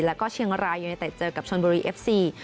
แล้วก็เชียงรายยูเนเต็ดเจอกับชนบุรีเอฟซี